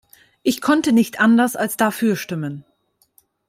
Ich konnte nicht anders als dafür stimmen.